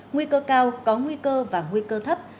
nguy cơ cao có nguy cơ và nguy cơ thấp